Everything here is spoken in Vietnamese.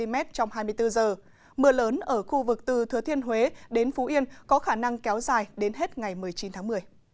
mưa lớn ở khu vực từ thừa thiên huế đến phú yên có khả năng kéo dài đến hết ngày một mươi chín tháng một mươi